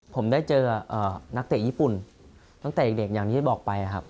ผมได้เจอนักเตะญี่ปุ่นตั้งแต่เด็กอย่างที่บอกไปครับ